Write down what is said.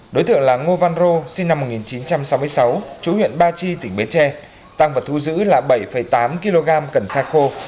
đối tượng là ngô văn rô sinh năm một nghìn chín trăm sáu mươi sáu chú huyện ba chi tỉnh bến tre tăng vật thu giữ là bảy tám kg cần sa khô